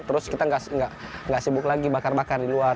terus kita nggak sibuk lagi bakar bakar di luar